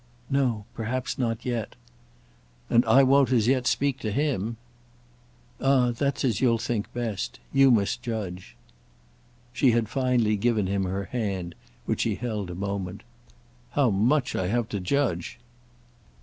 "No—perhaps not yet." "And I won't as yet speak to him." "Ah that's as you'll think best. You must judge." She had finally given him her hand, which he held a moment. "How much I have to judge!"